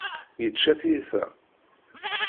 Yečča tiyita.